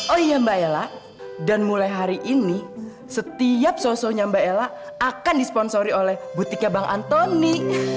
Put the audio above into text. oh iya mbak ella dan mulai hari ini setiap sosoknya mbak ella akan disponsori oleh butiknya bang antoni